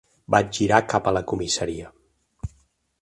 Va girar cap a la comissaria.